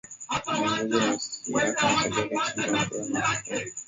inaongozwa na siyaka sangale kushindwa kutoa matokeo